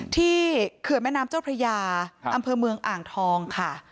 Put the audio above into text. เขื่อนแม่น้ำเจ้าพระยาอำเภอเมืองอ่างทองค่ะ